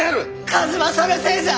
数正のせいじゃ！